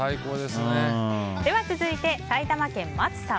続いて、埼玉県の方。